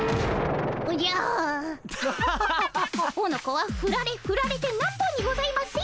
おのこはふられふられてなんぼにございますよ。